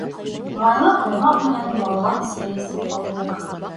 Майлы ҡоймаҡ менән баллап сәй эсеп алдыҡ.